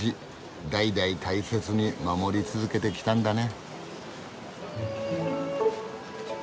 代々大切に守り続けてきたんだね。